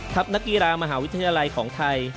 นักกีฬามหาวิทยาลัยของไทย